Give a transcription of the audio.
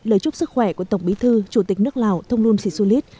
lời chúc sức khỏe của tổng bí thư chủ tịch nước lào thông luân sĩ xu lít